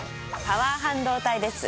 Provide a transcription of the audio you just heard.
パワー半導体です。